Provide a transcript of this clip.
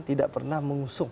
tidak pernah mengusung